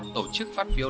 tổ chức phát biểu